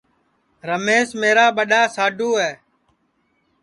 رمیش میرا ٻڈؔا ساڈوُ ہے